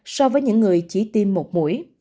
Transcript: so với những người chỉ tiêm một mũi